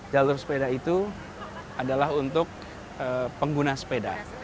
jalur sepeda itu adalah untuk pengguna sepeda